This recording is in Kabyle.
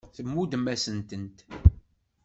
Tmuddem-asen-tent.